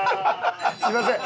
すみません。